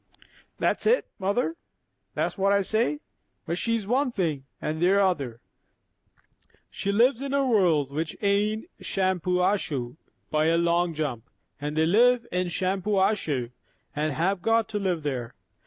"That's it, mother; that's what I say. But she's one thing, and they're another; she lives in her world, which ain't Shampuashuh by a long jump, and they live in Shampuashuh, and have got to live there.